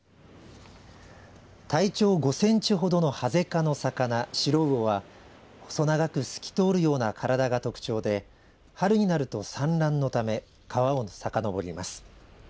体長５センチほどのハゼ科の魚シロウオは細長く透き通るような体が特徴で春になると産卵のため川をさかのぼります。